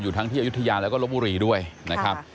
อยู่ทั้งที่อยุธยาและรบบุรีด้วยนะครับ